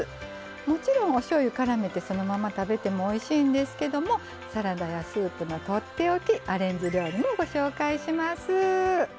もちろんおしょうゆからめてそのまま食べてもおいしいんですけどもサラダやスープのとっておきアレンジ料理もご紹介します。